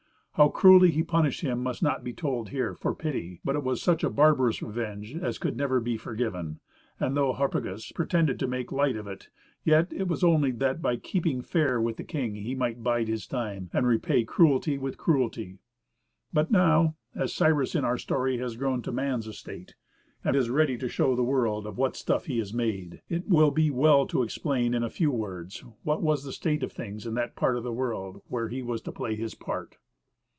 How cruelly he punished him must not be told here, for pity, but it was such a barbarous revenge as could never be forgiven; and though Harpagus pretended to make light of it, yet it was only that by keeping fair with the king he might bide his time, and repay cruelty with cruelty. But now, as Cyrus in our story has grown to man's estate, and is ready to show the world of what stuff he is made, it will be well to explain in a few words, what was the state of things in that part of the world where he was to play his part.